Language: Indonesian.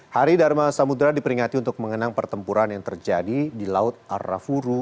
hari dharma samudera diperingati untuk mengenang pertempuran yang terjadi di laut arafuru